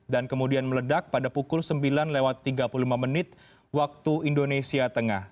dan kemudian meledak pada pukul sembilan tiga puluh lima waktu indonesia tengah